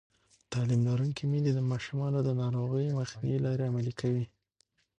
تعلیم لرونکې میندې د ماشومانو د ناروغۍ مخنیوي لارې عملي کوي.